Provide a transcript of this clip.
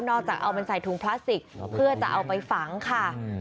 จะเอามันใส่ถุงพลาสติกเพื่อจะเอาไปฝังค่ะ